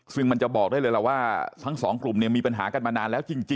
ซึ่งมันจะบอกได้เลยว่าทั้ง๒กลุ่มมีปัญหากันมานานแล้วจริงนะครับ